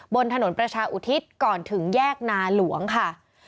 บนถนนประชาอุทิศก่อนถึงแยกนาหลวงค่ะ